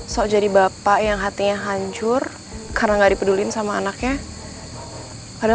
sok jadi bapak yang hatinya hancur karena gak dipeduli sama anaknya